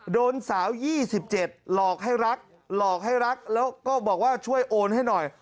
โดนสาว๒๗หลอกให้รักหลอกให้รักแล้วก็บอกว่าช่วยโอนให้หน่อย